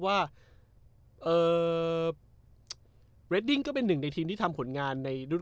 ว่าเรดดิ้งก็เป็นหนึ่งในทีมที่ทำผลงานในรุ่น